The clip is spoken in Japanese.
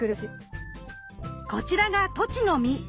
こちらがトチの実。